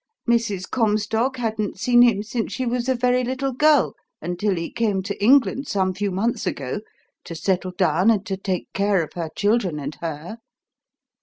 Mrs. Comstock hadn't seen him since she was a very little girl until he came to England some few months ago to settle down and to take care of her children and her."